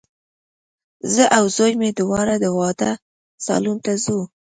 زه او زوی مي دواړه د واده سالون ته ځو